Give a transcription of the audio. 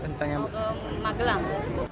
mau ke magelang